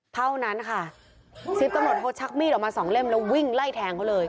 เท่านั้นค่ะสิบตำรวจโทชักมีดออกมาสองเล่มแล้ววิ่งไล่แทงเขาเลย